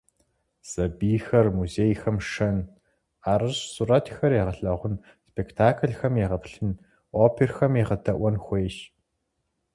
Сэбийхэр музейхэм шэн, ӏэрыщӏ сурэтхэр егъэлъэгъун, спектаклхэм егъэплъын, оперэхэм егъэдаӏуэн хуейщ.